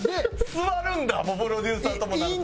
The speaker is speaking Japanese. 座るんだプロデューサーともなると。